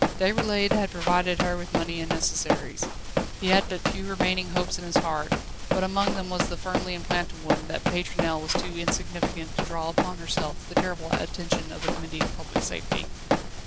Déroulède had provided her with money and necessaries. He had but few remaining hopes in his heart, but among them was the firmly implanted one that Pétronelle was too insignificant to draw upon herself the terrible attention of the Committee of Public Safety.